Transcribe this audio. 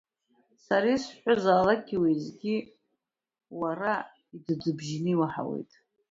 Сара исҳәозаалакгьы уеизгьы уара идыдбжьны иуаҳауеит!